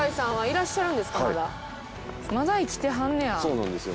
そうなんですよ。